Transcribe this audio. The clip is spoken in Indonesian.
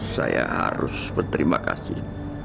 saya harus berterima kasih